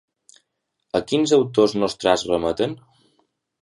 A quins autors nostrats remeten?